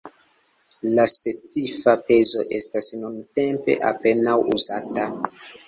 La specifa pezo estas nuntempe apenaŭ uzata.